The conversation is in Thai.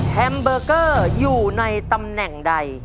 แฮมเบอร์เกอร์อยู่ในตำแหน่งใด